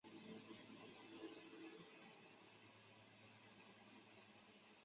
氨分子与一个氢离子配位结合就形成铵根离子。